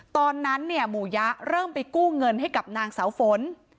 ตอนนั้นเนี่ยหมู่ยะเริ่มไปกู้เงินให้กับนางเสาฝน